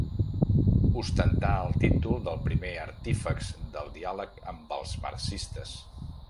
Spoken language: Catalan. Ostentà el títol del primer artífex del diàleg amb els marxistes.